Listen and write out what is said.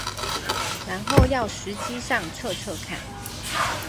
然後要實機上測測看